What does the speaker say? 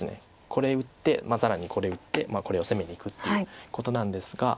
これ打って更にこれ打ってこれを攻めにいくっていうことなんですが。